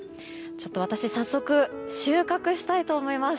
私、早速収穫したいと思います。